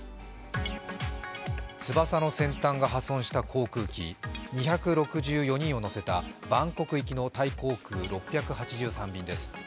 翼の先端が破損した航空機、２６４人を乗せたバンコク行きのタイ航空６８３便です。